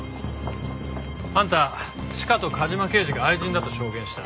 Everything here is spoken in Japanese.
あんたチカと梶間刑事が愛人だと証言した。